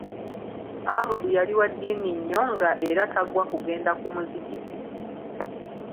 Abudu yali wa ddiini nnyo nga era tagwa kugenda ku muzigiti!